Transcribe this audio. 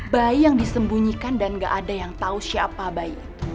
bayi yang disembunyikan dan gak ada yang tahu siapa bayi